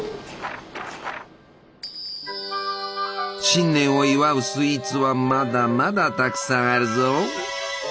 新年を祝うスイーツはまだまだたくさんあるぞ。